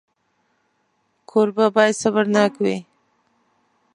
کوربه باید صبرناک وي.